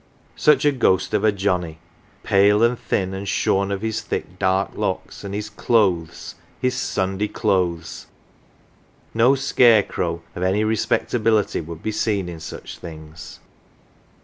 Such a ghost of a Johnnie ! pale and thin, and shorn of his thick dark locks ; and his clothes, his Sunday clothes ! no scare crow of any respectability would be seen in such things.